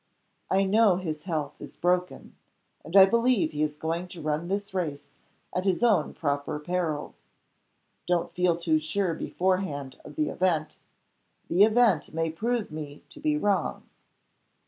I know his health is broken, and I believe he is going to run this race at his own proper peril. Don't feel too sure beforehand of the event. The event may prove me to be wrong."